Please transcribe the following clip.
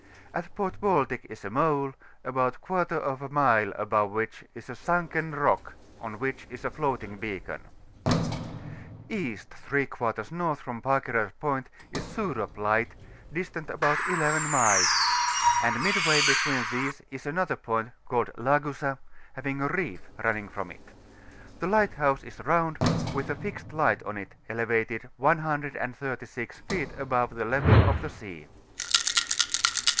At Fort Baltic is a mole: about a quarter of a mile above which is a sunken rock, on which is a floating beacon. £.) N. from Fakerort Point is SUROF LIGHT, distant about 11 mil^; and mid way between these is another point, called Lagusa, having a reef running from it. The lighthouse is round, with a fixed light on it, elevated 136 feet above the level of the sea.